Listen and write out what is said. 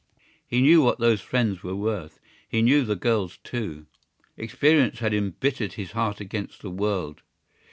He knew what those friends were worth: he knew the girls too. Experience had embittered his heart against the world.